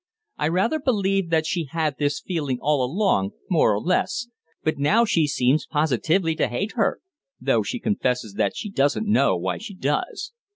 I rather believe that she had this feeling all along, more or less, but now she seems positively to hate her though she confesses that she doesn't know why she does!